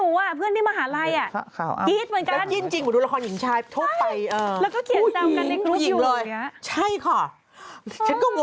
อืมอืมอืมอืมอืมอืม